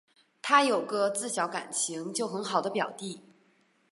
她有个自小感情就很好的表弟